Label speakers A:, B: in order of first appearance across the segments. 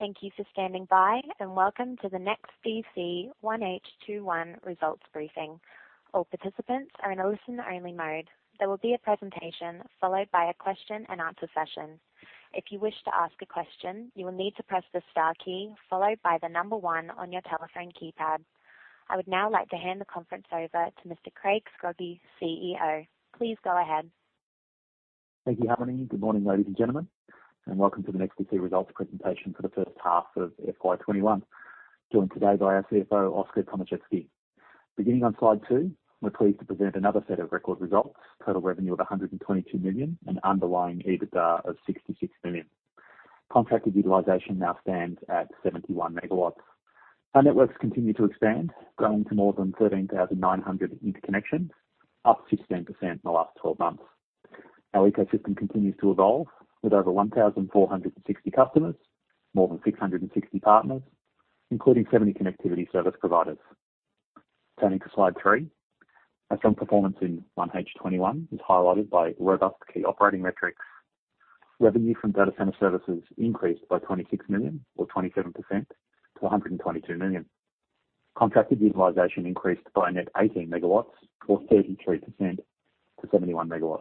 A: Thank you for standing by, and welcome to the NEXTDC 1H 2021 Results Briefing. All participants are in a listen-only mode. There will be a presentation followed by a question and answer session. If you wish to ask a question, you will need to press the star key followed by the number one on your telephone keypad. I would now like to hand the conference over to Mr. Craig Scroggie, CEO. Please go ahead.
B: Thank you, Harmony. Good morning, ladies and gentlemen, and welcome to the NEXTDC Results Presentation for the First Half of FY 2021. Joined today by our CFO, Oskar Tomaszewski. Beginning on slide two, we are pleased to present another set of record results. Total revenue of 122 million and underlying EBITDA of 66 million. Contracted utilization now stands at 71 MW. Our networks continue to expand, growing to more than 13,900 interconnections, up 16% in the last 12 months. Our ecosystem continues to evolve with over 1,460 customers, more than 660 partners, including 70 connectivity service providers. Turning to slide three. Our strong performance in 1H 2021 is highlighted by robust key operating metrics. Revenue from data center services increased by 26 million or 27% to 122 million. Contracted utilization increased by a net 18 MW or 33% to 71 MW.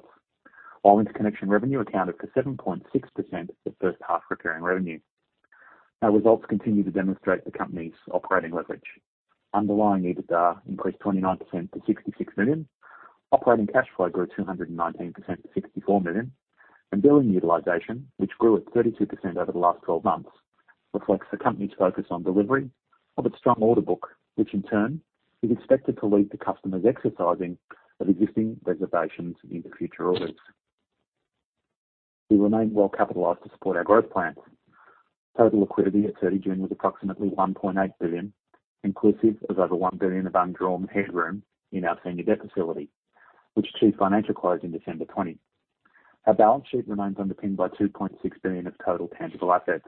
B: While interconnection revenue accounted for 7.6% of first half recurring revenue. Our results continue to demonstrate the company's operating leverage. Underlying EBITDA increased 29% to 66 million. Operating cash flow grew 219% to 64 million, and billing utilization, which grew at 32% over the last 12 months, reflects the company's focus on delivery of its strong order book, which in turn is expected to lead to customers exercising of existing reservations into future orders. We remain well-capitalized to support our growth plans. Total liquidity at 30 June was approximately 1.8 billion, inclusive of over 1 billion of undrawn headroom in our senior debt facility, which achieved financial close in December 2020. Our balance sheet remains underpinned by 2.6 billion of total tangible assets.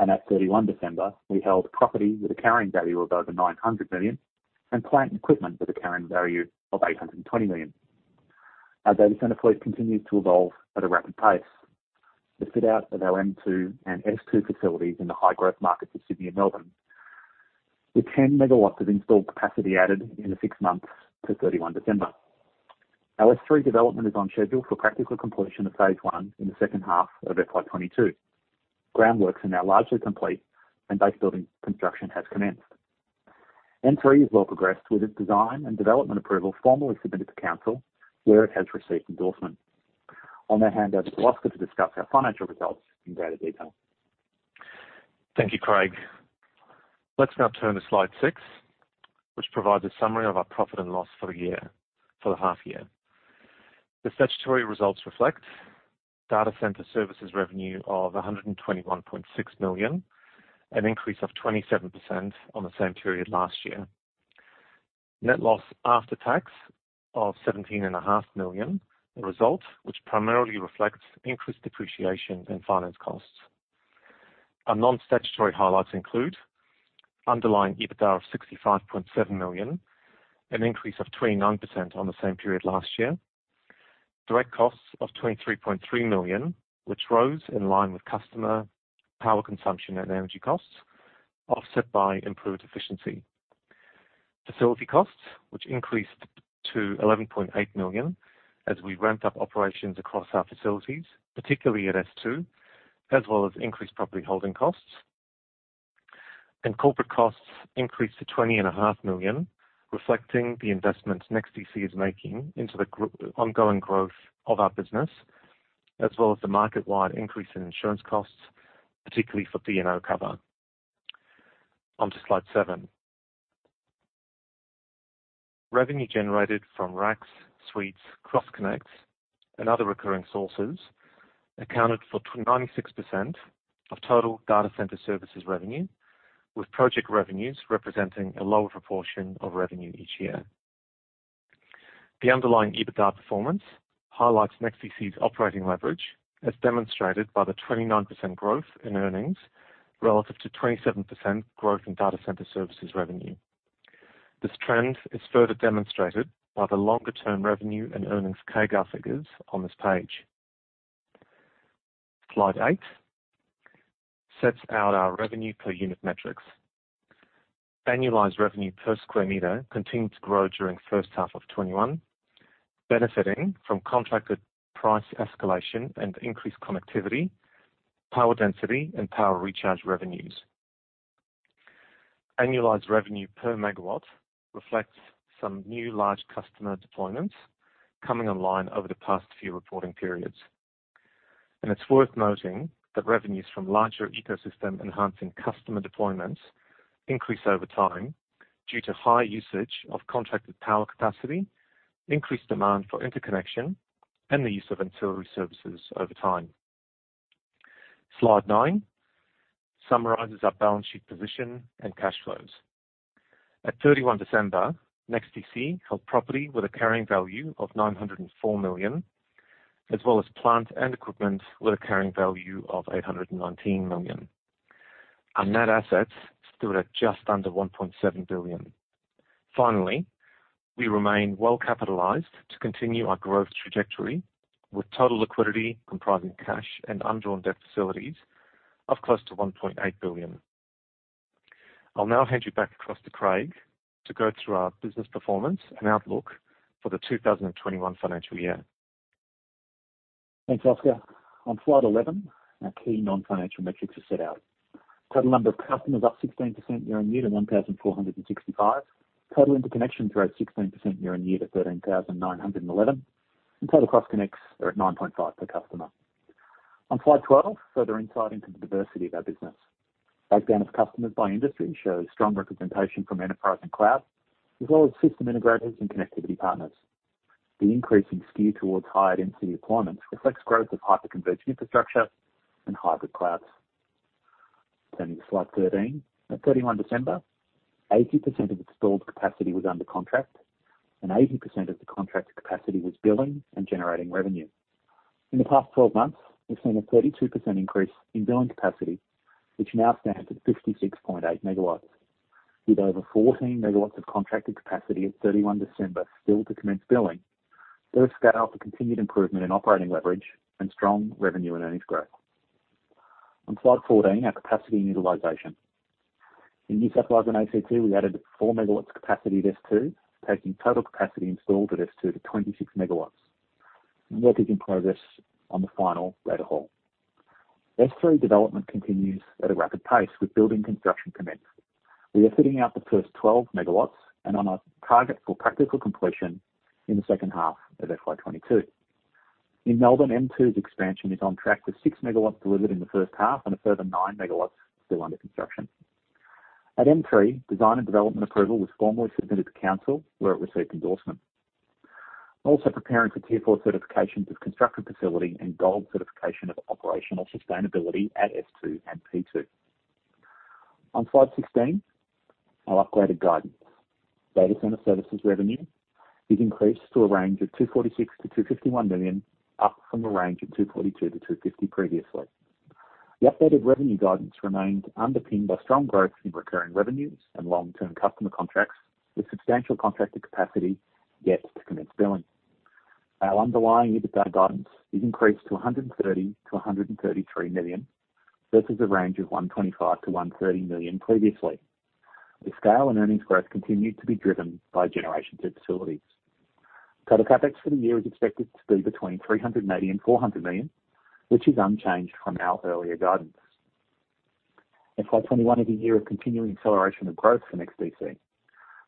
B: At December 31, we held property with a carrying value of over 900 million and plant equipment with a carrying value of 820 million. Our data center fleet continues to evolve at a rapid pace. The fit out of our M2 and S2 facilities in the high-growth markets of Sydney and Melbourne, with 10 MW of installed capacity added in the six months to December 31. Our S3 development is on schedule for practical completion of phase I in the second half of FY 2022. Groundworks are now largely complete and base building construction has commenced. M3 has well progressed with its design and development approval formally submitted to council, where it has received endorsement. I'll now hand over to Oskar to discuss our financial results in greater detail.
C: Thank you, Craig. Let's now turn to slide six, which provides a summary of our profit and loss for the half year. The statutory results reflect data center services revenue of 121.6 million, an increase of 27% on the same period last year. Net loss after tax of 17.5 million, a result which primarily reflects increased depreciation and finance costs. Our non-statutory highlights include underlying EBITDA of 65.7 million, an increase of 29% on the same period last year. Direct costs of 23.3 million, which rose in line with customer power consumption and energy costs, offset by improved efficiency. Facility costs, which increased to 11.8 million as we ramped up operations across our facilities, particularly at S2, as well as increased property holding costs. Corporate costs increased to 20.5 million, reflecting the investments NEXTDC is making into the ongoing growth of our business, as well as the market-wide increase in insurance costs, particularly for D&O cover. On to slide seven. Revenue generated from racks, suites, cross connects, and other recurring sources accounted for 96% of total data center services revenue, with project revenues representing a lower proportion of revenue each year. The underlying EBITDA performance highlights NEXTDC's operating leverage, as demonstrated by the 29% growth in earnings relative to 27% growth in data center services revenue. This trend is further demonstrated by the longer-term revenue and earnings CAGR figures on this page. Slide eight sets out our revenue per unit metrics. Annualized revenue per square meter continued to grow during the first half of 2021, benefiting from contracted price escalation and increased connectivity, power density, and power recharge revenues. Annualized revenue per megawatt reflects some new large customer deployments coming online over the past few reporting periods. It's worth noting that revenues from larger ecosystem-enhancing customer deployments increase over time due to high usage of contracted power capacity, increased demand for interconnection, and the use of ancillary services over time. Slide nine summarizes our balance sheet position and cash flows. At December 31, NEXTDC held property with a carrying value of 904 million, as well as plant and equipment with a carrying value of 819 million. Our net assets stood at just under 1.7 billion. Finally, we remain well-capitalized to continue our growth trajectory, with total liquidity comprising cash and undrawn debt facilities of close to 1.8 billion. I'll now hand you back across to Craig to go through our business performance and outlook for the 2021 financial year.
B: Thanks, Oskar. On slide 11, our key non-financial metrics are set out. Total number of customers up 16% year-on-year to 1,465. Total interconnection growth, 16% year-on-year to 13,911. Total cross connects are at 9.5 per customer. On slide 12, further insight into the diversity of our business. Breakdown of customers by industry shows strong representation from enterprise and cloud, as well as system integrators and connectivity partners. The increasing skew towards higher density deployments reflects growth of hyper converged infrastructure and hybrid clouds. Turning to slide 13. At December 31, 80% of installed capacity was under contract and 80% of the contracted capacity was billing and generating revenue. In the past 12 months, we've seen a 32% increase in billing capacity, which now stands at 56.8 MW. With over 14 MW of contracted capacity at December 31 still to commence billing, there is scale for continued improvement in operating leverage and strong revenue and earnings growth. On slide 14, our capacity and utilization. In New South Wales and A.C.T., we added 4 MW capacity at S2, taking total capacity installed at S2 to 26 MW. Work is in progress on the final data hall. S3 development continues at a rapid pace, with building construction commenced. We are fitting out the first 12 MW and on a target for practical completion in the second half of FY 2022. In Melbourne, M2's expansion is on track, with 6 MW delivered in the first half and a further 9 MW still under construction. At M3, design and development approval was formally submitted to council, where it received endorsement. Preparing for Tier IV certifications of constructed facility and gold certification of operational sustainability at S2 and P2. On slide 16, our upgraded guidance. Data center services revenue is increased to a range of 246 million-251 million, up from a range of 242 million-250 million previously. The updated revenue guidance remains underpinned by strong growth in recurring revenues and long-term customer contracts, with substantial contracted capacity yet to commence billing. Our underlying EBITDA guidance is increased to 130 million-133 million, versus a range of 125 million-130 million previously, with scale and earnings growth continued to be driven by generation two facilities. Total CapEx for the year is expected to be between 380 million and 400 million, which is unchanged from our earlier guidance. FY 2021 is a year of continuing acceleration of growth for NEXTDC.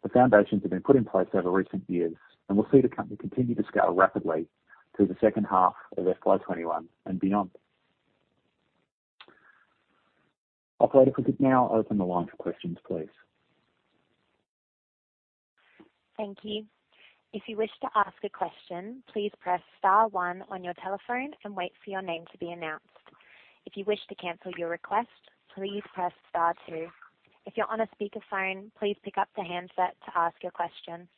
B: The foundations have been put in place over recent years, and we'll see the company continue to scale rapidly through the second half of FY 2021 and beyond. Operator, could we now open the line for questions, please?
A: Thank you. If you wish to ask a question, please press star one on your telephone and wait for your name to be announced. If you wish to cancel your request, please press star two. If you are on speaker phone, please pick up your handset to ask our question.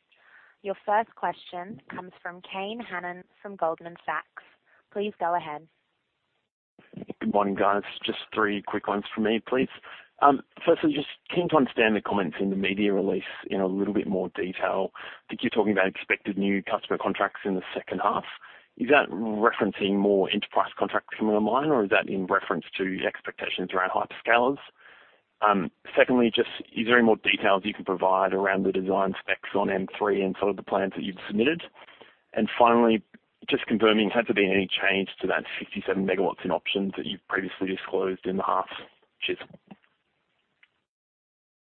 A: Your first question comes from Kane Hannan from Goldman Sachs. Please go ahead.
D: Good morning, guys. Just three quick ones from me, please. Firstly, just keen to understand the comments in the media release in a little bit more detail. I think you're talking about expected new customer contracts in the second half. Is that referencing more enterprise contracts coming online, or is that in reference to expectations around hyperscalers? Secondly, is there any more details you can provide around the design specs on M3 and some of the plans that you've submitted? Finally, just confirming, has there been any change to that 57 MW in options that you've previously disclosed in the half?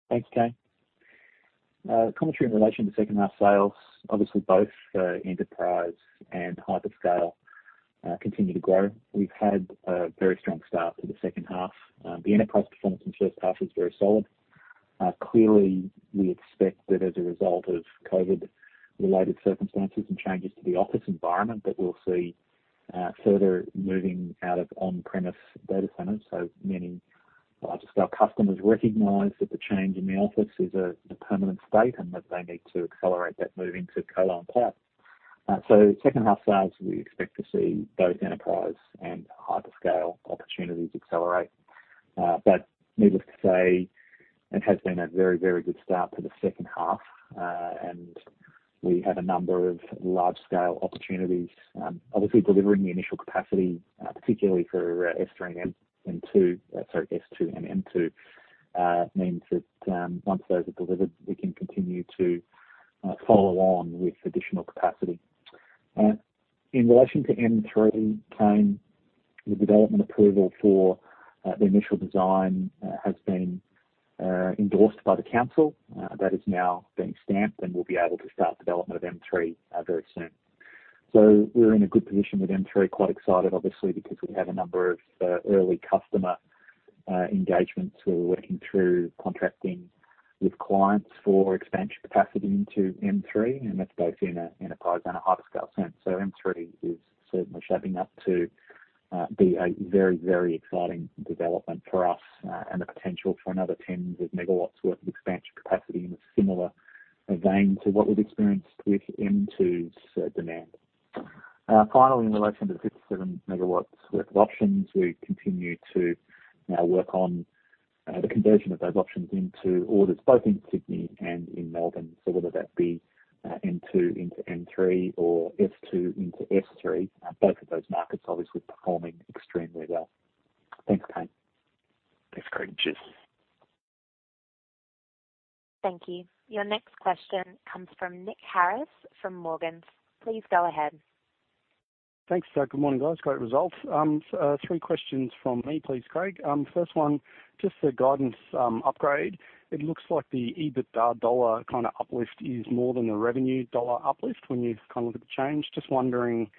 B: Thanks, Kane. Commentary in relation to second half sales. Obviously both enterprise and hyperscale continue to grow. We've had a very strong start to the second half. The enterprise performance in the first half is very solid. Clearly, we expect that as a result of COVID-19-related circumstances and changes to the office environment, that we'll see further moving out of on-premise data centers. Many large-scale customers recognize that the change in the office is a permanent state and that they need to accelerate that move into colo. The second half sales, we expect to see both enterprise and hyperscale opportunities accelerate. Needless to say, it has been a very, very good start to the second half. We have a number of large-scale opportunities.. Obviously, delivering the initial capacity, particularly for S2 and M2, means that once those are delivered, we can continue to follow on with additional capacity. In relation to M3, Kane, the development approval for the initial design has been endorsed by the council. That is now being stamped, and we'll be able to start development of M3 very soon. We're in a good position with M3. Quite excited, obviously, because we have a number of early customer engagements. We're working through contracting with clients for expansion capacity into M3, and that's both in an enterprise and a hyperscale sense. M3 is certainly shaping up to be a very, very exciting development for us and the potential for another 10 MW worth of expansion capacity in a similar vein to what we've experienced with M2's demand. Finally, in relation to the 57 MW worth of options, we continue to work on the conversion of those options into orders both in Sydney and in Melbourne. Whether that be M2 into M3 or S2 into S3, both of those markets obviously performing extremely well. Thanks, Kane.
D: Thanks, Craig. Cheers.
A: Thank you. Your next question comes from Nick Harris from Morgans. Please go ahead.
E: Thanks. Good morning, guys. Great results. three questions from me, please, Craig. First one, just the guidance upgrade. It looks like the EBITDA dollar uplift is more than the revenue dollar uplift when you look at the change. Just wondering,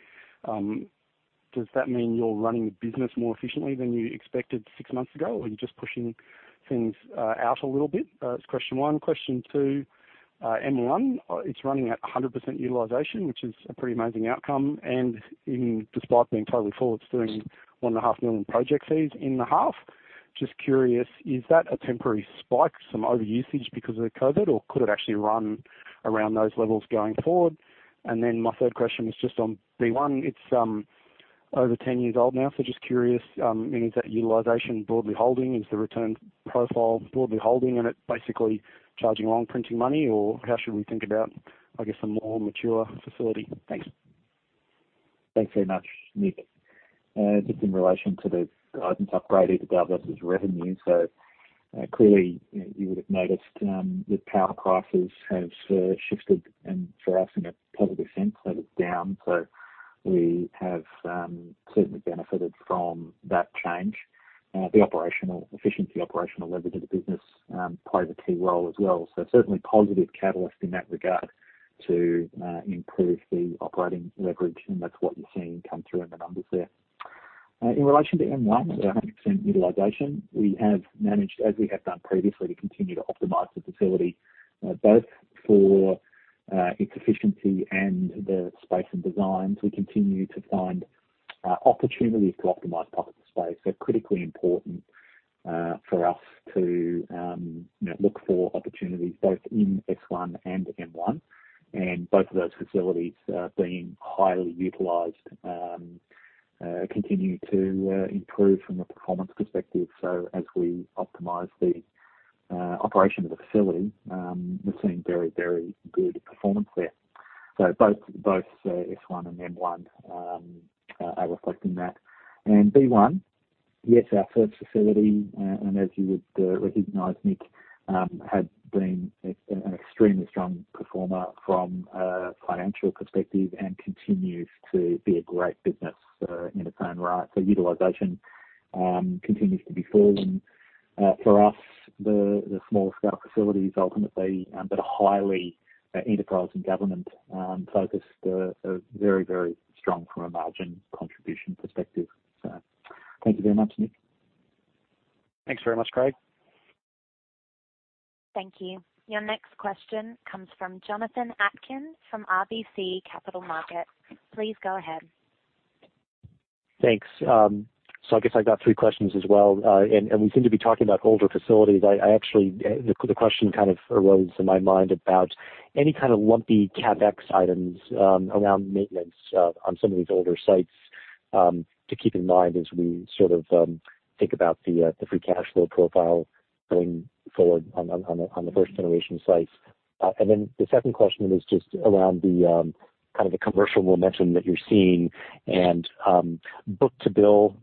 E: does that mean you're running the business more efficiently than you expected six months ago, or are you just pushing things out a little bit? That's question one. Question two, M1, it's running at 100% utilization, which is a pretty amazing outcome, and despite being totally full, it's doing 1.5 million project fees in the half. Just curious, is that a temporary spike, some over-usage because of the COVID-19, or could it actually run around those levels going forward? My third question was just on B1. It's over 10 years old now. Just curious, I mean, is that utilization broadly holding? Is the return profile broadly holding and it basically charging along printing money, or how should we think about, I guess, a more mature facility? Thanks.
B: Thanks very much, Nick. In relation to the guidance upgrade, EBITDA versus revenue. Clearly, you would have noticed the power prices have shifted and for us in a positive sense, that is down. We have certainly benefited from that change. The operational efficiency, operational leverage of the business played a key role as well. Certainly positive catalyst in that regard to improve the operating leverage, and that's what you're seeing come through in the numbers there. In relation to M1, 100% utilization, we have managed, as we have done previously, to continue to optimize the facility, both for its efficiency and the space and designs. We continue to find opportunities to optimize pockets of space. Critically important for us to look for opportunities both in S1 and M1. Both of those facilities are being highly utilized, continue to improve from a performance perspective. As we optimize the operation of the facility, we're seeing very, very good performance there. Both S1 and M1 are reflecting that. B1, yes, our first facility, and as you would recognize, Nick, has been an extremely strong performer from a financial perspective and continues to be a great business in its own right. Utilization continues to be full. For us, the smaller scale facilities ultimately that are highly enterprise and government-focused are very, very strong from a margin contribution perspective. Thank you very much, Nick.
E: Thanks very much, Craig.
A: Thank you. Your next question comes from Jonathan Atkin from RBC Capital Markets. Please go ahead.
F: Thanks. I guess I've got three questions as well. We seem to be talking about older facilities. The question kind of arose in my mind about any kind of lumpy CapEx items around maintenance on some of these older sites to keep in mind as we think about the free cash flow profile going forward on the first-generation sites. The second question is just around the commercial momentum that you're seeing and book-to-bill,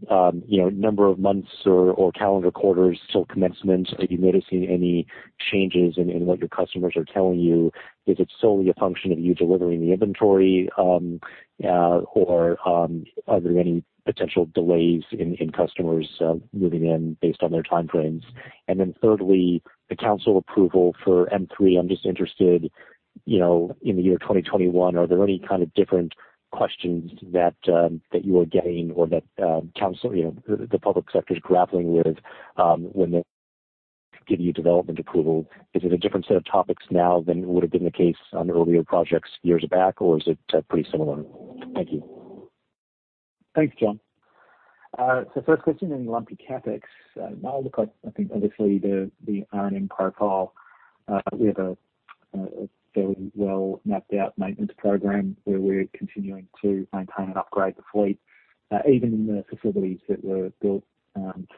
F: number of months or calendar quarters till commencement. Are you noticing any changes in what your customers are telling you? Is it solely a function of you delivering the inventory? Are there any potential delays in customers moving in based on their timeframes? Thirdly, the council approval for M3, I'm just interested, in the year 2021, are there any kind of different questions that you are getting or that the public sector is grappling with when they give you development approval? Is it a different set of topics now than would have been the case on earlier projects years back, or is it pretty similar? Thank you.
B: Thanks, Jonathan. First question in lumpy CapEx. No, look, I think obviously the earning profile. We have a fairly well-mapped-out maintenance program where we're continuing to maintain and upgrade the fleet. Even in the facilities that were built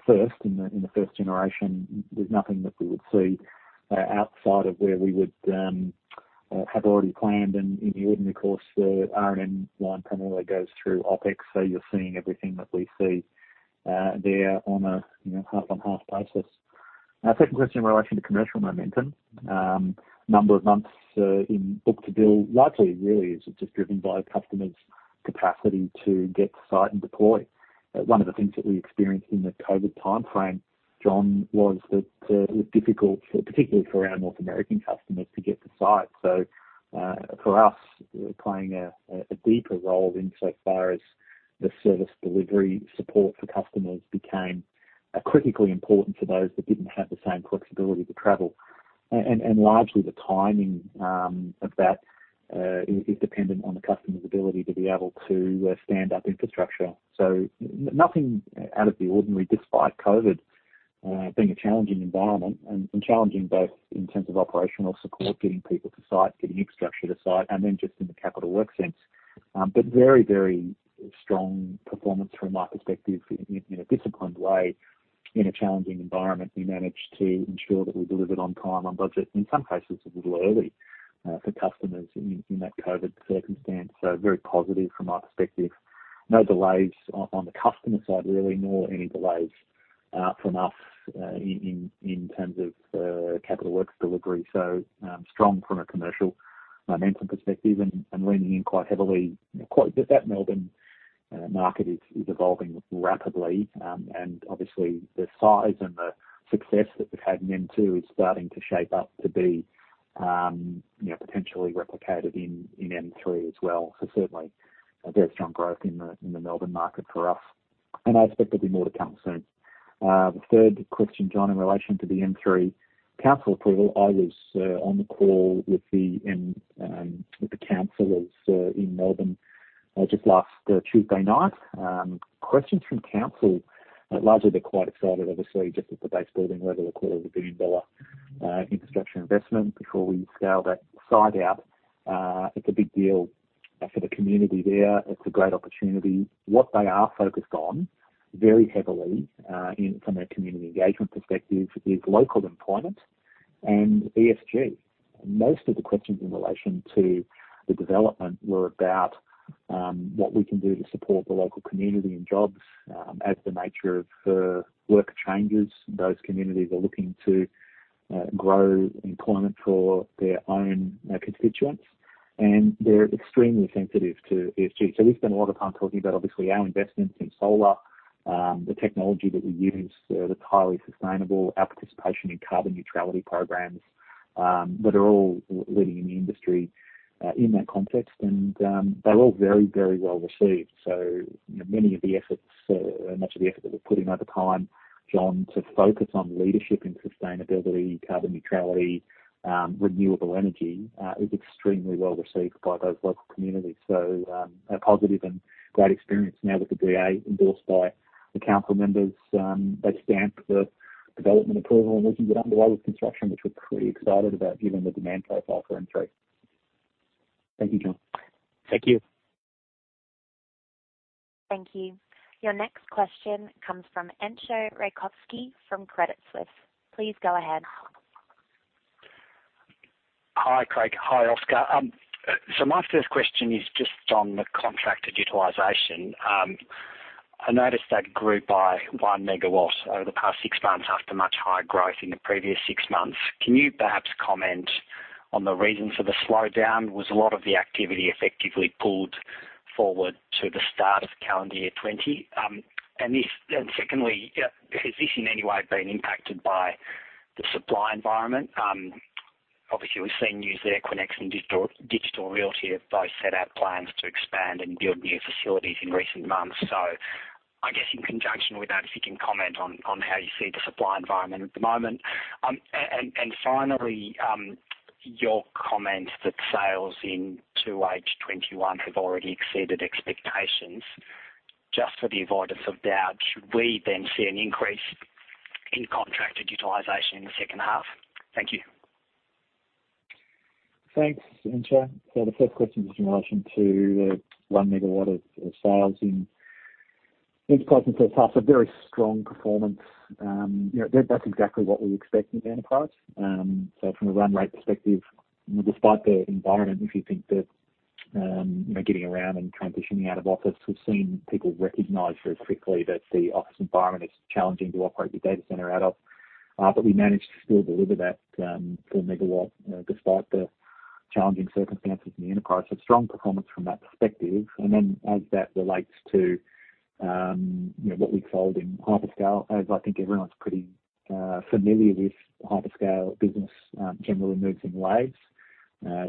B: first, in the first generation, there's nothing that we would see outside of where we would have already planned in the ordinary course. The R&M line primarily goes through OpEx, so you're seeing everything that we see there on a half-on-half basis. Second question in relation to commercial momentum. Number of months in book-to-bill, largely, really, is just driven by customers' capacity to get to site and deploy. One of the things that we experienced in the COVID-19 timeframe, Jonathan, was that it was difficult, particularly for our North American customers, to get to site. For us, playing a deeper role insofar as the service delivery support for customers became critically important for those that didn't have the same flexibility to travel. Largely the timing of that is dependent on the customer's ability to be able to stand up infrastructure. Nothing out of the ordinary despite COVID-19 being a challenging environment, and challenging both in terms of operational support, getting people to site, getting infrastructure to site, and then just in the capital work sense. Very strong performance from my perspective in a disciplined way. In a challenging environment, we managed to ensure that we delivered on time, on budget, and in some cases, a little early for customers in that COVID-19 circumstance. Very positive from my perspective. No delays on the customer side, really, nor any delays from us in terms of capital works delivery. Strong from a commercial momentum perspective and leaning in quite heavily. That Melbourne market is evolving rapidly, and obviously the size and the success that we've had in M2 is starting to shape up to be potentially replicated in M3 as well. Certainly, very strong growth in the Melbourne market for us, and I expect there'll be more to come soon. The third question, John, in relation to the M3 council approval, I was on the call with the council in Melbourne just last Tuesday night. Questions from council, largely, they're quite excited, obviously, just at the base building, over a quarter of a billion-dollar infrastructure investment before we scale that site out. It's a big deal for the community there. It's a great opportunity. What they are focused on very heavily, from a community engagement perspective, is local employment and ESG. Most of the questions in relation to the development were about what we can do to support the local community and jobs. As the nature of work changes, those communities are looking to grow employment for their own constituents, and they're extremely sensitive to ESG. We spent a lot of time talking about, obviously, our investments in solar, the technology that we use that's highly sustainable, our participation in carbon neutrality programs, that are all leading in the industry in that context, and they're all very well received. Much of the effort that we're putting over time, John, to focus on leadership in sustainability, carbon neutrality, renewable energy, is extremely well received by those local communities. A positive and great experience now with the DA endorsed by the council members. They've stamped the development approval, and we can get underway with construction, which we're pretty excited about given the demand profile for M3. Thank you, Jonathan.
F: Thank you.
A: Thank you. Your next question comes from Entcho Raykovski from Credit Suisse. Please go ahead.
G: Hi, Craig. Hi, Oskar. My first question is just on the contracted utilization. I noticed that grew by 1 MW over the past six months after much higher growth in the previous six months. Can you perhaps comment on the reason for the slowdown? Was a lot of the activity effectively pulled forward to the start of calendar year 2020? Secondly, has this in any way been impacted by the supply environment? Obviously, we've seen news there, Equinix and Digital Realty have both set out plans to expand and build new facilities in recent months. I guess in conjunction with that, if you can comment on how you see the supply environment at the moment. Finally, your comment that sales in 2H 2021 have already exceeded expectations. Just for the avoidance of doubt, should we then see an increase in contracted utilization in the second half? Thank you.
B: Thanks, Entcho. The first question is in relation to the 1 MW of sales in Enterprise in the first half. Very strong performance. That's exactly what we expect with Enterprise. From a run rate perspective, despite the environment, if you think that getting around and transitioning out of office, we've seen people recognize very quickly that the office environment is challenging to operate your data center out of. We managed to still deliver that full megawatt despite the challenging circumstances in the Enterprise. Strong performance from that perspective. As that relates to what we sold in Hyperscale, as I think everyone's pretty familiar with Hyperscale business generally moves in waves.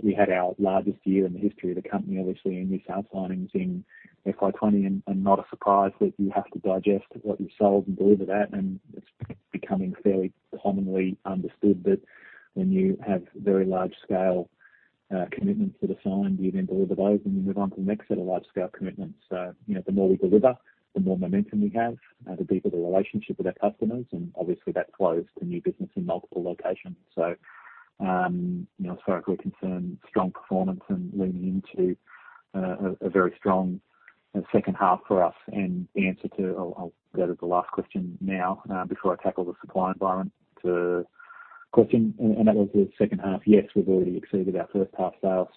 B: We had our largest year in the history of the company, obviously, in new signed signings in FY 2020, not a surprise that you have to digest what you've sold and deliver that. It's becoming fairly commonly understood that when you have very large scale commitments that are signed, you then deliver those, and you move on to the next set of large scale commitments. The more we deliver, the more momentum we have, the deeper the relationship with our customers, and obviously that flows to new business in multiple locations. As far as we're concerned, strong performance and leaning into a very strong second half for us. The answer to, I'll go to the last question now, before I tackle the supply environment question, and that was the second half. Yes, we've already exceeded our first half sales,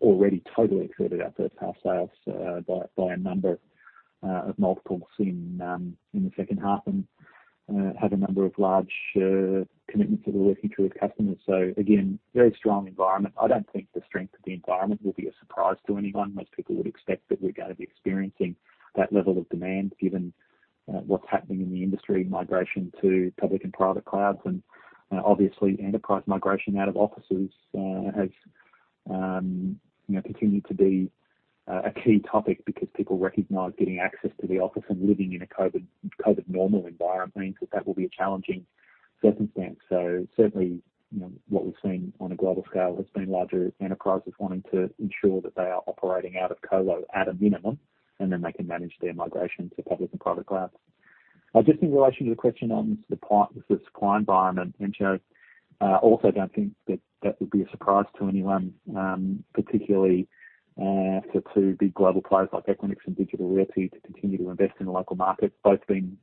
B: already totally exceeded our first half sales, by a number of multiples in the second half, and have a number of large commitments that we're working through with customers. Again, very strong environment. I don't think the strength of the environment will be a surprise to anyone. Most people would expect that we're going to be experiencing that level of demand given what's happening in the industry, migration to public and private clouds. Obviously enterprise migration out of offices has continued to be a key topic because people recognize getting access to the office and living in a COVID-19 normal environment means that that will be a challenging circumstance. Certainly, what we've seen on a global scale has been larger enterprises wanting to ensure that they are operating out of colo at a minimum, and then they can manage their migration to public and private clouds. Just in relation to the question on the supply environment, Entcho, also don't think that that would be a surprise to anyone, particularly for two big global players like Equinix and Digital Realty to continue to invest in the local market, both being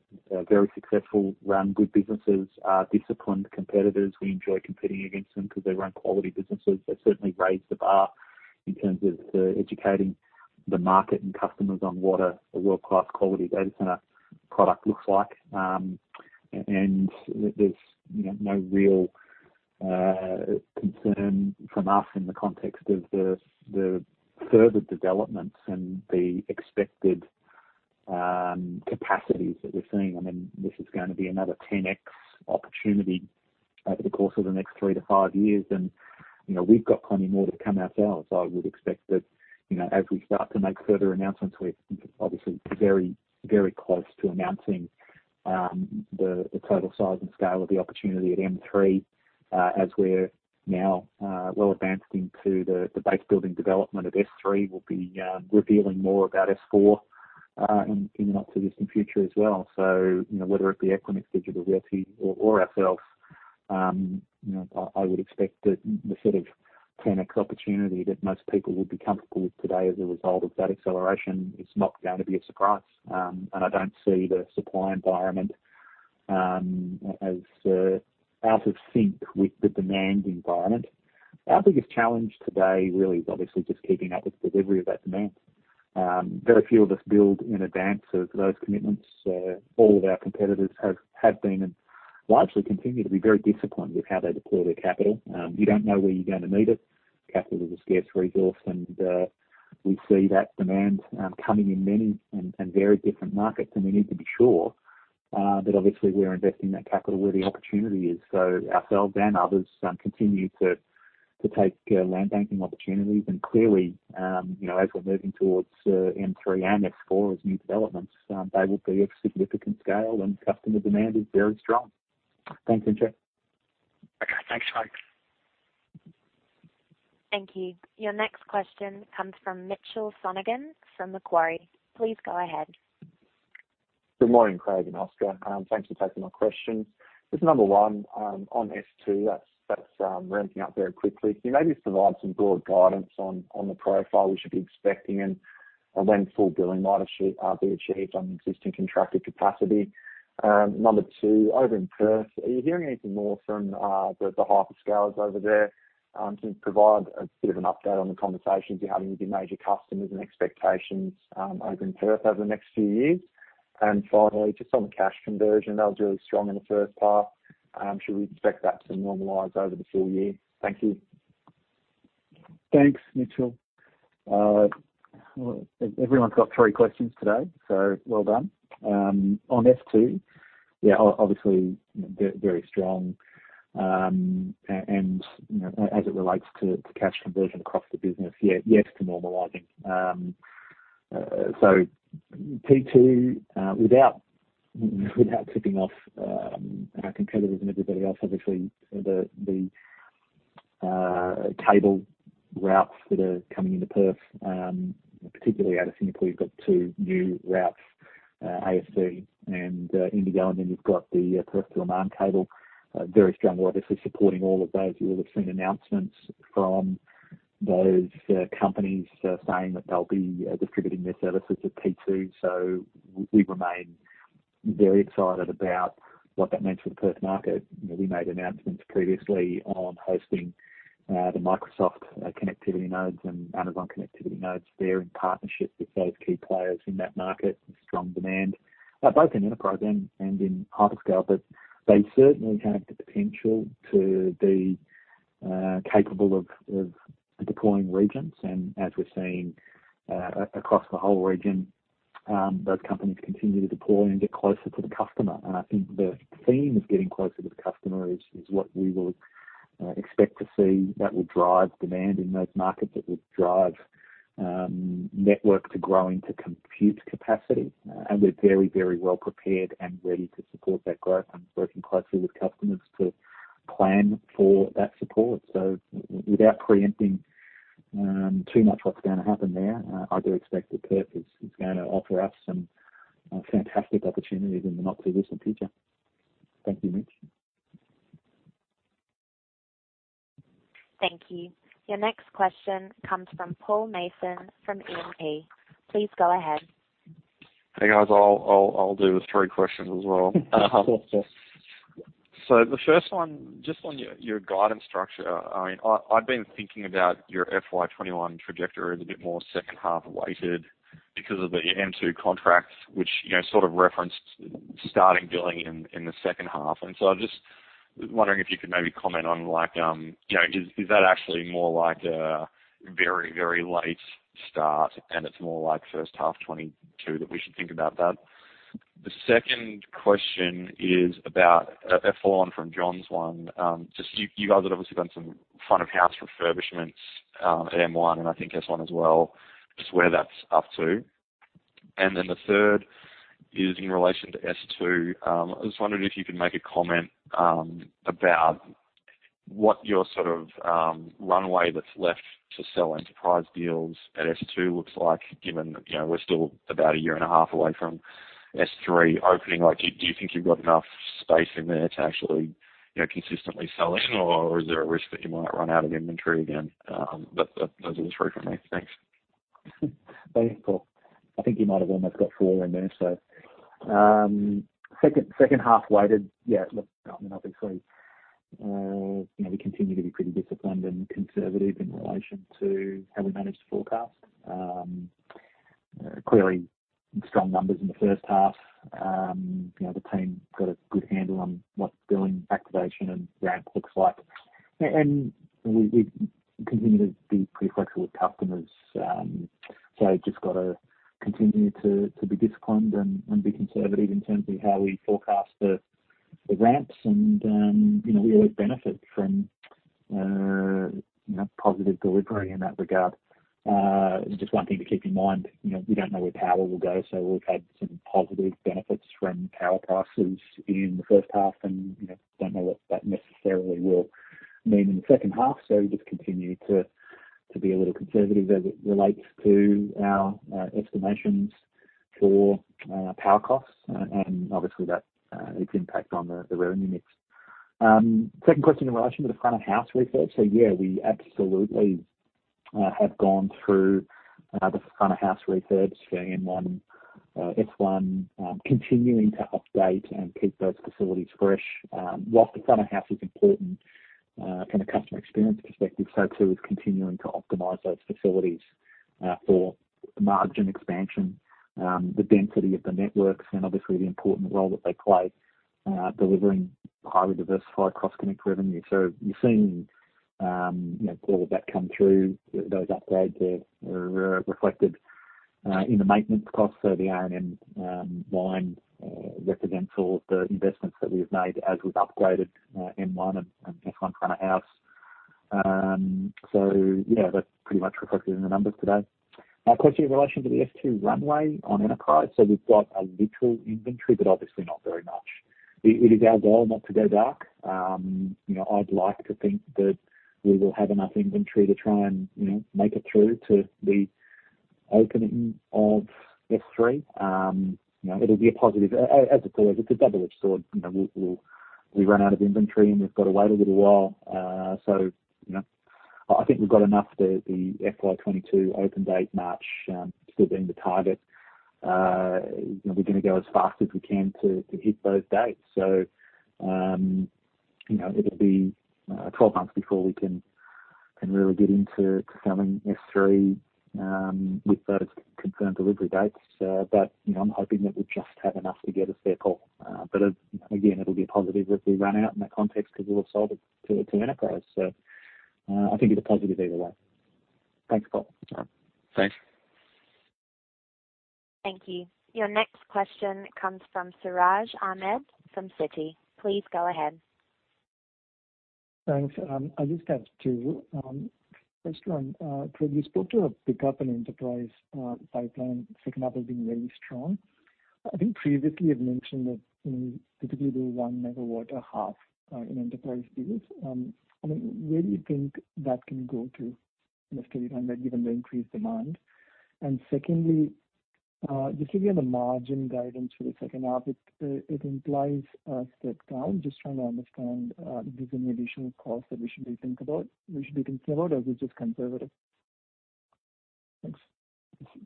B: very successful, run good businesses, disciplined competitors. We enjoy competing against them because they run quality businesses. They've certainly raised the bar in terms of educating the market and customers on what a world-class quality data center product looks like. There's no real concern from us in the context of the further developments and the expected capacities that we're seeing. This is going to be another 10x opportunity over the course of the next three to five years. We've got plenty more to come ourselves. I would expect that as we start to make further announcements, we're obviously very close to announcing the total size and scale of the opportunity at M3. As we're now well advanced into the base building development of S3, we'll be revealing more about S4 in the not-too-distant future as well. Whether it be Equinix, Digital Realty or ourselves, I would expect that the sort of 10X opportunity that most people would be comfortable with today as a result of that acceleration is not going to be a surprise. I don't see the supply environment as out of sync with the demand environment. Our biggest challenge today really is obviously just keeping up with delivery of that demand. Very few of us build in advance of those commitments. All of our competitors have been, and largely continue to be, very disciplined with how they deploy their capital. You don't know where you're going to need it. Capital is a scarce resource, and we see that demand coming in many and varied different markets, and we need to be sure that obviously we're investing that capital where the opportunity is. Ourselves and others continue to take land banking opportunities and clearly, as we're moving towards M3 and S4 as new developments, they will be of significant scale and customer demand is very strong. Thanks, Entcho.
G: Okay. Thanks, folks.
A: Thank you. Your next question comes from Mitchell Sonogan from Macquarie. Please go ahead.
H: Good morning, Craig and Oskar. Thanks for taking my questions. Just number one, on S2, that's ramping up very quickly. Can you maybe provide some broad guidance on the profile we should be expecting and when full billing might be achieved on existing contracted capacity? Number two, over in Perth, are you hearing anything more from the hyperscalers over there? Can you provide a bit of an update on the conversations you're having with your major customers and expectations over in Perth over the next few years? Finally, just on the cash conversion, that was really strong in the first half. Should we expect that to normalize over the full year? Thank you.
B: Thanks, Mitchell. Everyone's got three questions today. Well done. On S2, yeah, obviously very strong. As it relates to cash conversion across the business, yes to normalizing. P2, without tipping off our competitors and everybody else, obviously the cable routes that are coming into Perth, particularly out of Singapore, you've got two new routes, ASC and INDIGO, and then you've got the Perth-Darwin cable, very strong, obviously supporting all of those. You would have seen announcements from those companies saying that they'll be distributing their services at P2. We remain very excited about what that means for the Perth market. We made announcements previously on hosting the Microsoft connectivity nodes and Amazon connectivity nodes. They're in partnership with those key players in that market. Strong demand, both in enterprise and in hyperscale. They certainly have the potential to be capable of deploying regions. As we're seeing across the whole region, those companies continue to deploy and get closer to the customer. I think the theme of getting closer to the customer is what we will expect to see that will drive demand in those markets, that will drive network to grow into compute capacity. We're very well prepared and ready to support that growth and working closely with customers to plan for that support. Without preempting too much what's going to happen there, I do expect that Perth is going to offer us some fantastic opportunities in the not-too-distant future. Thank you, Mitchell.
A: Thank you. Your next question comes from Paul Mason from E&P. Please go ahead.
I: Hey, guys. I'll do the three questions as well. The first one, just on your guidance structure. I've been thinking about your FY 2021 trajectory as a bit more second half-weighted because of the M2 contracts, which sort of referenced starting billing in the second half. I'm just wondering if you could maybe comment on, is that actually more like a very late start and it's more like first half 2022 that we should think about that? The second question is about, following from Jonathan's one, you guys had obviously done some front of house refurbishments at M1 and I think S1 as well. Just where that's up to? The third is in relation to S2. I just wondered if you could make a comment about what your sort of runway that's left to sell enterprise deals at S2 looks like, given we're still about a year and a half away from S3 opening. Do you think you've got enough space in there to actually consistently sell in, or is there a risk that you might run out of inventory again? Those are the three from me. Thanks.
B: Thanks, Paul. I think you might have almost got four in there. Second half weighted, yeah, look, I mean, obviously, we continue to be pretty disciplined and conservative in relation to how we manage the forecast. Clearly strong numbers in the first half. The team got a good handle on what billing activation and ramp looks like. We continue to be pretty flexible with customers. Just got to continue to be disciplined and be conservative in terms of how we forecast the ramps and we always benefit from positive delivery in that regard. Just one thing to keep in mind, we don't know where power will go. We've had some positive benefits from power prices in the first half and don't know what that necessarily will mean in the second half. We just continue to be a little conservative as it relates to our estimations for power costs and obviously its impact on the revenue mix. Second question in relation to the front-of-house refit. Yeah, we absolutely have gone through the front-of-house refits for M1, S1, continuing to upgrade and keep those facilities fresh. Whilst the front of house is important from a customer experience perspective, so too is continuing to optimize those facilities for margin expansion, the density of the networks, and obviously the important role that they play delivering highly diversified Cross Connect revenue. You're seeing all of that come through those upgrades are reflected in the maintenance costs. The R&M line residential, the investments that we've made as we've upgraded N1 and S1 front of house. Yeah, that's pretty much reflected in the numbers today. A question in relation to the S2 runway on enterprise. We've got a little inventory, but obviously not very much. It is our goal not to go dark. I'd like to think that we will have enough inventory to try and make it through to the opening of S3. It'll be a positive, as it always, it's a double-edged sword. We run out of inventory, and we've got to wait a little while. I think we've got enough, the FY 2022 open date, March, still being the target. We're going to go as fast as we can to hit those dates. It'll be 12 months before we can really get into selling S3, with those confirmed delivery dates. I'm hoping that we'll just have enough to get us there, Paul. Again, it'll be a positive if we run out in that context because we'll have sold it to enterprise. I think it's a positive either way. Thanks, Paul.
I: All right. Thanks.
A: Thank you. Your next question comes from Siraj Ahmed from Citi. Please go ahead.
J: Thanks. I just have two. First one, Craig, you spoke to a pickup in enterprise pipeline, second half as being really strong. I think previously you've mentioned that typically the one megawatt a half in enterprise deals. I mean, where do you think that can go to in the future, given the increased demand? Secondly, looking at the margin guidance for the second half, it implies a step down. Just trying to understand, there's any additional cost that we should be considering, or is it just conservative? Thanks.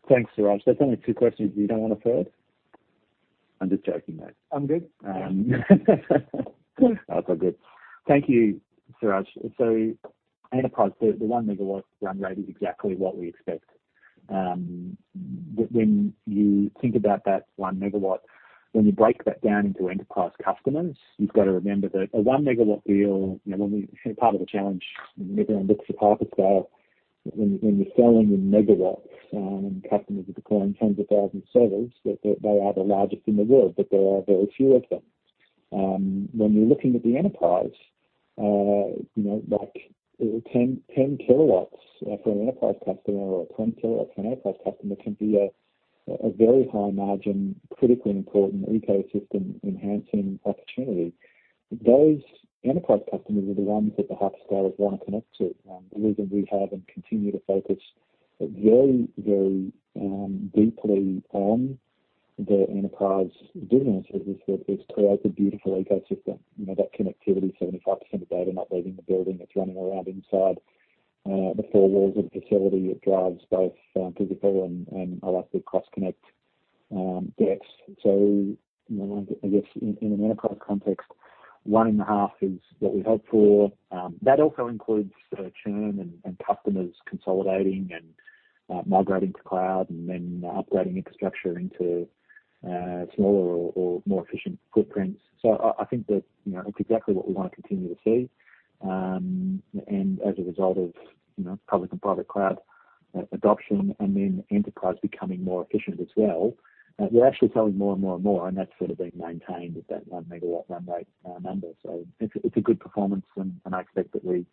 B: Thanks, Siraj. That's only two questions. You don't want a third? I'm just joking, mate.
J: I'm good.
B: Oh, it's all good. Thank you, Siraj. Enterprise, the one megawatt run rate is exactly what we expect. When you think about that one megawatt, when you break that down into enterprise customers, you've got to remember that a 1 MW deal, part of the challenge when everyone looks at Hyperscale, when you're selling in megawatts and customers are deploying tens of thousands of servers, that they are the largest in the world, but there are very few of them. When you're looking at the enterprise, like 10 kW for an enterprise customer or 20 kW for an enterprise customer can be a very high margin, critically important ecosystem enhancing opportunity. Those enterprise customers are the ones that the Hyperscalers want to connect to. The reason we have and continue to focus very, very deeply on the enterprise business is that it's created a beautiful ecosystem. That connectivity, 75% of data not leaving the building, it's running around inside the four walls of the facility. It drives both physical and electric cross connect depths. I guess in an enterprise context, one and a half is what we hope for. That also includes churn and customers consolidating and migrating to cloud and then upgrading infrastructure into smaller or more efficient footprints. I think that it's exactly what we want to continue to see. As a result of public and private cloud adoption and then enterprise becoming more efficient as well, we're actually selling more and more and more, and that's sort of being maintained at that 1 MW run rate number. It's a good performance, and I expect that we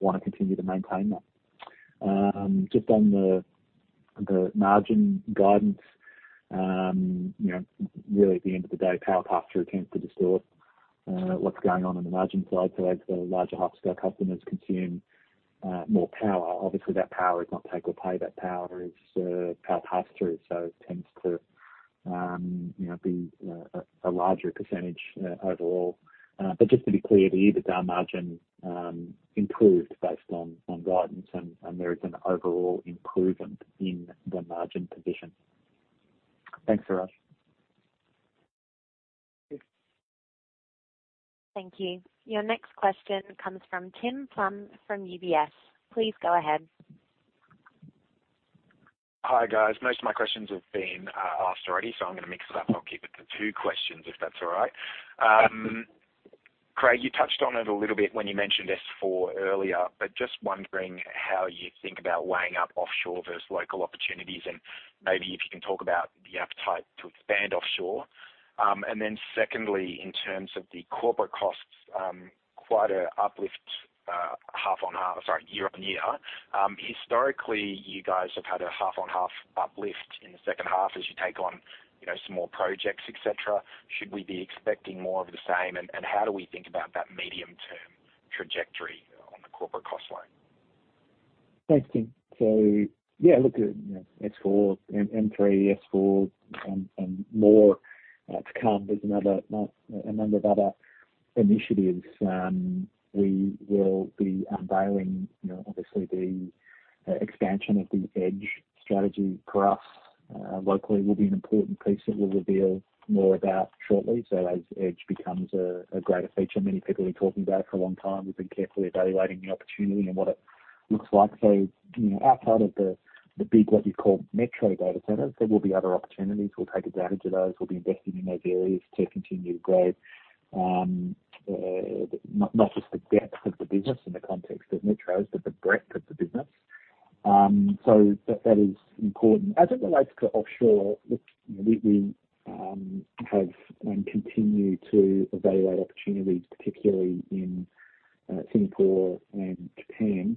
B: want to continue to maintain that. Just on the margin guidance, really at the end of the day, power pass-through tends to distort what's going on the margin side. As the larger hyperscale customers consume more power, obviously that power is not take or pay, that power is power pass-through, so it tends to be a larger percentage overall. Just to be clear, the EBITDA margin improved based on guidance, and there is an overall improvement in the margin position. Thanks, Siraj.
A: Thank you. Your next question comes from Tim Plumbe from UBS. Please go ahead.
K: Hi, guys. Most of my questions have been asked already. I'm going to mix it up and I'll keep it to two questions, if that's all right. Craig, you touched on it a little bit when you mentioned S4 earlier. Just wondering how you think about weighing up offshore versus local opportunities, maybe if you can talk about the appetite to expand offshore. Secondly, in terms of the corporate costs, quite a uplift year-over-year. Historically, you guys have had a half-over-half uplift in the second half as you take on some more projects, et cetera. Should we be expecting more of the same? How do we think about that medium-term trajectory on the corporate cost line?
B: Thanks, Tim. Yeah, look, M3, S4, and more to come. There's a number of other initiatives we will be unveiling. Obviously, the expansion of the Edge strategy for us locally will be an important piece that we'll reveal more about shortly. As Edge becomes a greater feature, many people have been talking about it for a long time. We've been carefully evaluating the opportunity and what it looks like. Outside of the big, what you'd call metro data centers, there will be other opportunities. We'll take advantage of those. We'll be investing in those areas to continue to grow not just the depth of the business in the context of metros, but the breadth of the business. That is important. As it relates to offshore, look, we have and continue to evaluate opportunities, particularly in Singapore and Japan.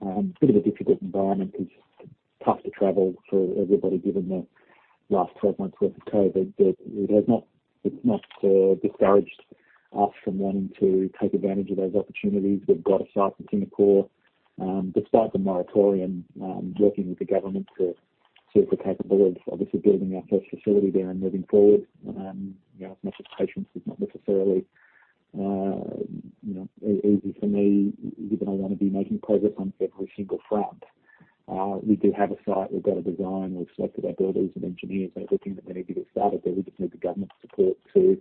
B: A bit of a difficult environment because it's tough to travel for everybody given the last 12 months worth of COVID, but it's not discouraged us from wanting to take advantage of those opportunities. We've got a site in Singapore, despite the moratorium, working with the government to see if we're capable of obviously building our first facility there and moving forward. As much as patience is not necessarily easy for me, given I want to be making progress on every single front. We do have a site, we've got a design, we've selected our builders and engineers. They're looking at when they need to get started, but we just need the government support to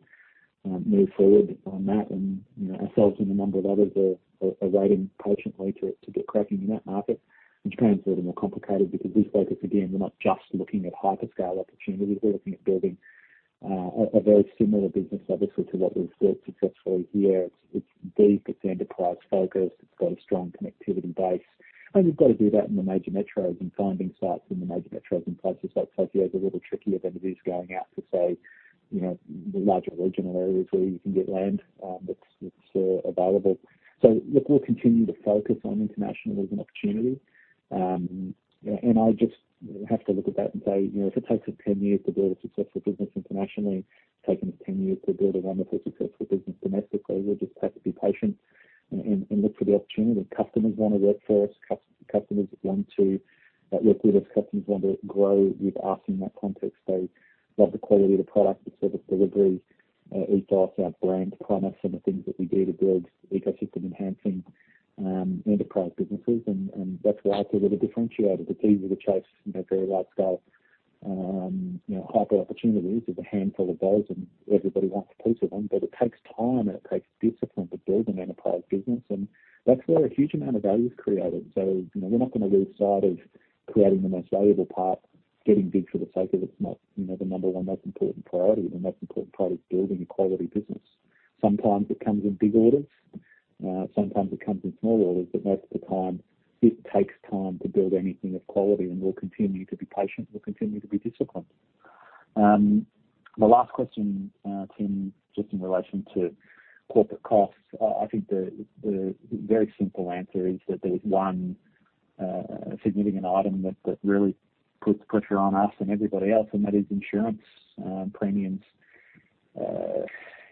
B: move forward on that. Ourselves and a number of others are waiting patiently to get cracking in that market. In Japan, it's a little more complicated because we focus, again, we're not just looking at hyperscale opportunities. We're looking at building a very similar business, obviously, to what we've built successfully here. It's deeply enterprise-focused. It's got a strong connectivity base, we've got to do that in the major metros. Finding sites in the major metros in places like Tokyo is a little trickier than it is going out to say, the larger regional areas where you can get land that's available. Look, we'll continue to focus on international as an opportunity. I just have to look at that and say, if it takes us 10 years to build a successful business internationally, it's taken us 10 years to build a wonderful, successful business domestically. We'll just have to be patient and look for the opportunity. Customers want to work for us. Customers want to work with us. Customers want to grow with us in that context. They love the quality of the product, the service delivery, each of us, our brand promise, and the things that we do to build ecosystem-enhancing enterprise businesses. That's where I think we're differentiated. It's easy to chase very large scale hyper opportunities. There's a handful of those, and everybody wants a piece of them. It takes time and it takes discipline to build an enterprise business, and that's where a huge amount of value is created. We're not going to lose sight of creating the most valuable part. Getting big for the sake of it's not the number one most important priority. The most important priority is building a quality business. Sometimes it comes in big orders, sometimes it comes in small orders. Most of the time, it takes time to build anything of quality. We'll continue to be patient, we'll continue to be disciplined. The last question, Tim, just in relation to corporate costs. I think the very simple answer is that there's one significant item that really puts pressure on us and everybody else. That is insurance premiums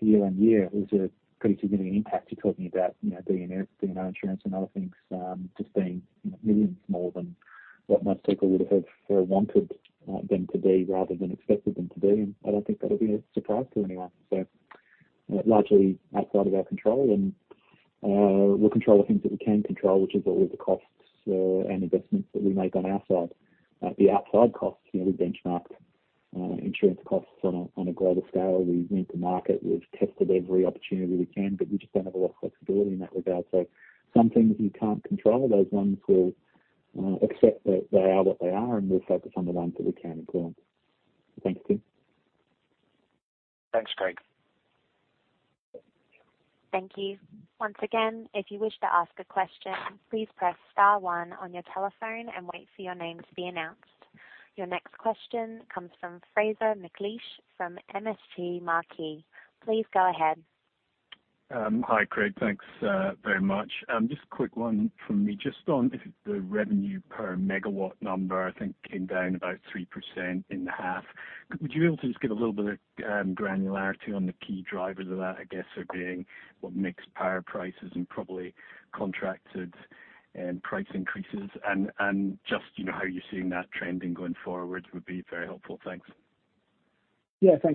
B: year on year. It was a pretty significant impact. You're talking about D&O insurance and other things just being millions more than what most people would have wanted them to be rather than expected them to be. I don't think that'll be a surprise to anyone. Largely outside of our control. We'll control the things that we can control, which is always the costs and investments that we make on our side. The outside costs, we benchmarked insurance costs on a global scale. We went to market. We've tested every opportunity we can, but we just don't have a lot of flexibility in that regard. Some things you can't control. Those ones we'll accept that they are what they are, and we'll focus on the ones that we can influence. Thanks, Tim.
K: Thanks, Craig.
A: Thank you. Once again, if you wish to ask a question, please press star one on your telephone and wait for your name to be announced. Your next question comes from Fraser McLeish from MST Marquee. Please go ahead.
L: Hi, Craig. Thanks very much. Just a quick one from me. Just on the revenue per MW number, I think came down about 3% in the half. Would you be able to just give a little bit of granularity on the key drivers of that, I guess so being what mixed power prices and probably contracted price increases and just how you are seeing that trending going forward would be very helpful. Thanks.
B: Thanks,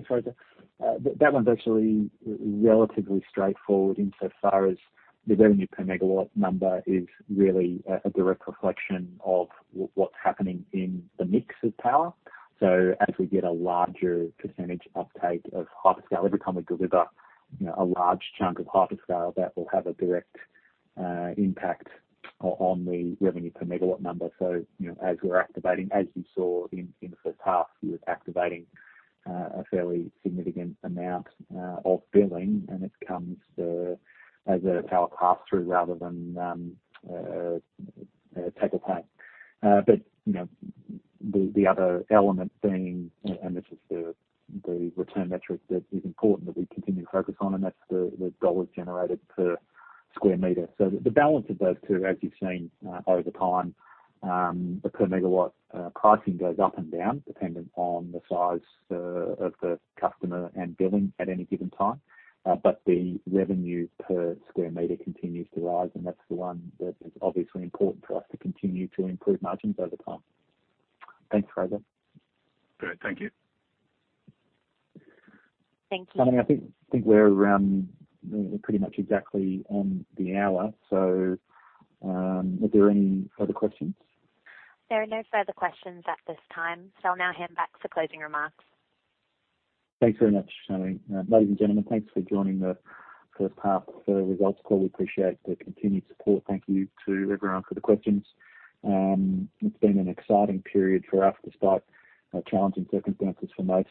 B: Fraser. That one's actually relatively straightforward insofar as the revenue per MW number is really a direct reflection of what's happening in the mix of power. As we get a larger percentage uptake of Hyperscale, every time we deliver a large chunk of Hyperscale, that will have a direct impact on the revenue per MW number. As we're activating, as you saw in the first half, we were activating a fairly significant amount of billing, and it comes as a power pass-through rather than a take or pay. The other element being, and this is the return metric that is important that we continue to focus on, and that's the AUD generated per square meter. The balance of those two, as you've seen over time, the per megawatt pricing goes up and down dependent on the size of the customer and billing at any given time. The revenue per square meter continues to rise, and that's the one that is obviously important for us to continue to improve margins over time. Thanks, Fraser.
L: Great. Thank you.
A: Thank you.
B: I think we're around pretty much exactly on the hour. Are there any further questions?
A: There are no further questions at this time. I'll now hand back for closing remarks.
B: Thanks very much, Shelley. Ladies and gentlemen, thanks for joining the first half of the results call. We appreciate the continued support. Thank you to everyone for the questions. It's been an exciting period for us despite challenging circumstances for most,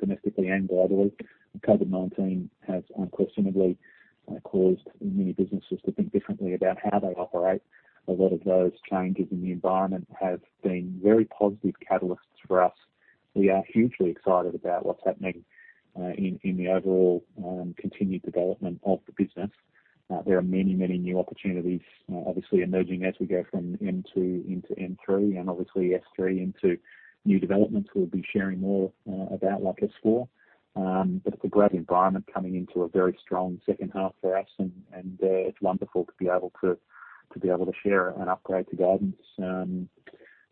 B: domestically and globally. COVID-19 has unquestionably caused many businesses to think differently about how they operate. A lot of those changes in the environment have been very positive catalysts for us. We are hugely excited about what's happening in the overall continued development of the business. There are many, many new opportunities, obviously emerging as we go from M2 into M3 and obviously S3 into new developments. We'll be sharing more about like S4. It's a great environment coming into a very strong second half for us, and it's wonderful to be able to share an upgrade to guidance in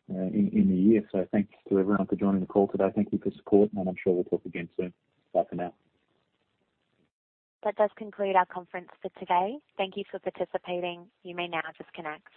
B: the year. Thanks to everyone for joining the call today. Thank you for support, and I'm sure we'll talk again soon. Bye for now.
A: That does conclude our conference for today. Thank Thank you for participating. You may now disconnect.